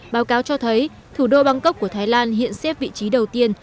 báo cáo cho thấy thủ đô bangkok của thái lan hiện xếp vị trí đầu tiên